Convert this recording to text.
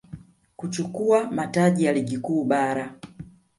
kuchukua mataji ya Ligi Kuu Bara